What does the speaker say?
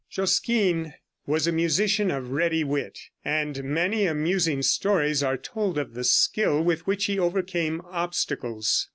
Josquin was a musician of ready wit, and many amusing stories are told of the skill with which he overcame obstacles.